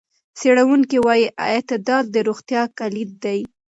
څېړونکي وايي اعتدال د روغتیا کلید دی.